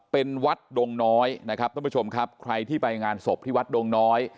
เป็นวัดดงน้อยนะครับท่านผู้ชมครับใครที่ไปงานศพที่วัดดงน้อย